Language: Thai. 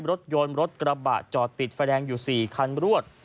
รถยนต์รถกระบะจอดติดไฟแดงอยู่๔คันรวด